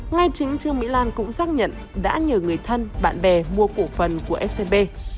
ngay chính trương mỹ lan cũng xác nhận đã nhờ người thân bạn bè mua cổ phần của scb